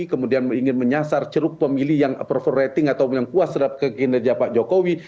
kemudian ingin menyasar ceruk pemilih yang approval rating atau yang puas terhadap kinerja pak jokowi